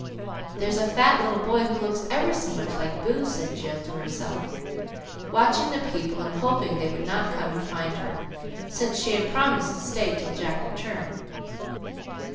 "There's a fat little boy who looks ever so much like Boo," said Jill to herself, watching the people and hoping they would not come and find her, since she had promised to stay till Jack returned.